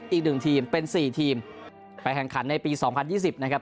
อีกหนึ่งทีมเป็นสี่ทีมไปแข่งขันในปีสองพันยี่สิบนะครับ